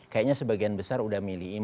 kayaknya sebagian besar sudah milih